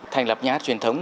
thành lập nhà hát truyền thống